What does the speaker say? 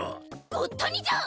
ごった煮じゃん！